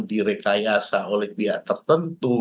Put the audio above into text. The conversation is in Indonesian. direkayasa oleh pihak tertentu